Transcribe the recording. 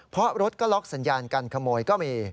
เพราะรถก็ล็อกสัญญาการขโมยก็มี